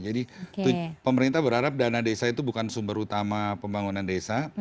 jadi pemerintah berharap dana desa itu bukan sumber utama pembangunan desa